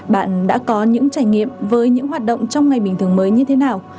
bạn đã có những trải nghiệm với những hoạt động trong ngày bình thường mới như thế nào